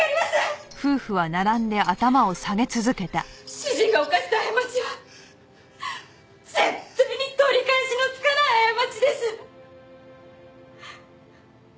主人が犯した過ちは絶対に取り返しのつかない過ちです。